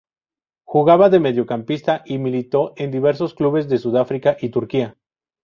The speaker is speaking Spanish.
Jugaba de mediocampista y militó en diversos clubes de Sudáfrica y Turquía.